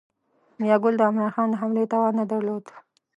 میاګل د عمرا خان د حملې توان نه درلود.